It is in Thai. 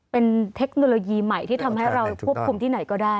เป็นเทคโนโลยีใหม่ที่ทำให้เราควบคุมที่ไหนก็ได้